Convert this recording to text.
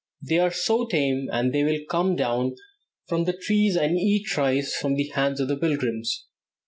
They are so tame that they will come down from the trees and eat rice from the hands of the pilgrims.